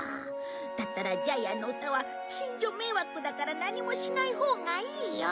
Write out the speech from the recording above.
だったらジャイアンの歌は近所迷惑だから何もしないほうがいいよ。